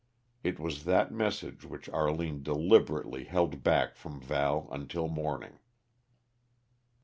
It was that message which Arline deliberately held back from Val until morning.